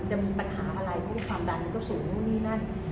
จะมีปัญหาอะไรเพราะความดันก็สูงนี่นั่น